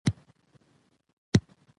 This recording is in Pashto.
. ادبي میراثونه باید وساتل سي.